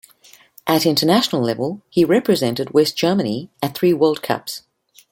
At international level, he represented West Germany at three World Cups.